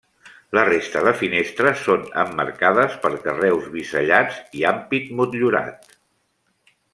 La resta de finestres són emmarcades per carreus bisellats i ampit motllurat.